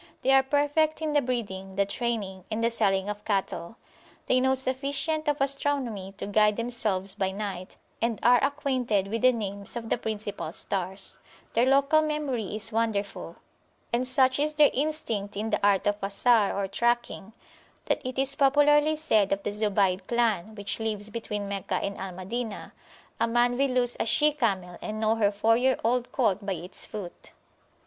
They are perfect in the breeding, the training, and the selling of cattle. They know sufficient of astronomy to guide themselves by night, and are acquainted [p.108] with the names of the principal stars. Their local memory is wonderful. And such is their instinct in the art of asar, or tracking, that it is popularly said of the Zubayd clan, which lives between Meccah and Al Madinah, a man will lose a she camel and know her four year old colt by its foot.